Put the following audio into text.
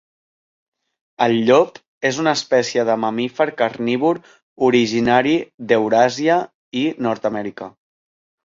El llop és una espècie de mamífer carnívor originari d'Euràsia i Nord-amèrica.